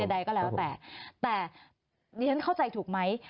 ใดก็แล้วแต่แต่ดิฉันเข้าใจถูกไหม